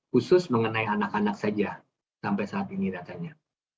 khusus mengenai anak anak saja sampai saat ini datanya